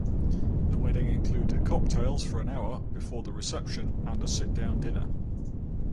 The wedding included cocktails for an hour before the reception and a sit-down dinner.